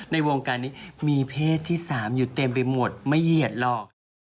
ในวงการนี้มีเพศที่๓อยู่เต็มไปหมดไม่เหยียดหรอก